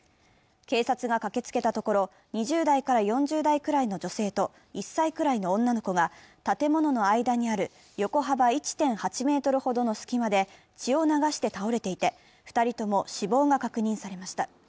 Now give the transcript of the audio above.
警察が駆けつけたところ、２０代から４０代くらいの女性と１歳くらいの女の子が建物の間にある横幅１．８ｍほどの隙間で血を流して倒れていて２人とも死亡が確認されました。